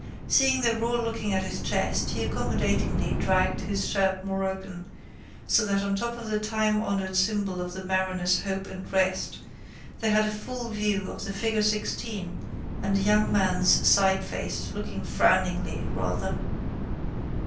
Seeing they were all looking at his chest he accommodatingly dragged his shirt more open so that on top of the timehonoured symbol of the mariner's hope and rest they had a full view of the figure 16 and a young man's sideface looking frowningly rather.